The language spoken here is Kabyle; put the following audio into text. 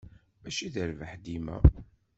Mačči d rrbeḥ dima.